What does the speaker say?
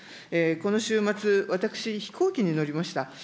この週末、私、飛行機に乗りました。